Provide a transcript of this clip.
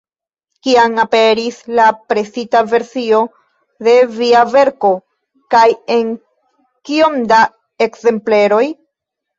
Kiam aperis la presita versio de via verko, kaj en kiom da ekzempleroj?